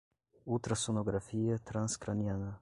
ultrassonografia transcraniana